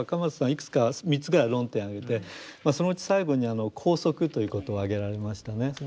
いくつか３つぐらい論点挙げてそのうち最後に拘束ということを挙げられましたね。